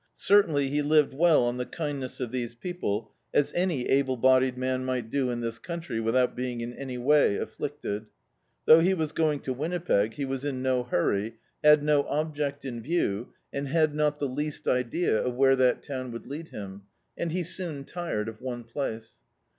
Certainly he lived well on the kindness of these people, as any able bodied man mi^t do in this country, without being in any way afflicted. Though he was going to Winnipeg, he was in no hurry, had no object in view, and had not the least D,i.,.db, Google A Voice in the Dark idea of where that town would lead him, and he soon tired of one place.